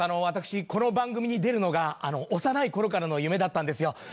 私この番組に出るのが幼い頃からの夢だったんですよ。